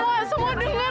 enggak semua dengar